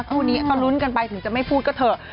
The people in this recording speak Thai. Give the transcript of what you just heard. คู่นี้ก็ลุ้นกันไปถึงจะไม่พูดก็เถอะ